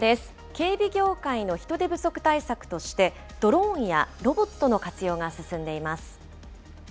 警備業界の人手不足対策として、ドローンやロボットの活用が進んでいます。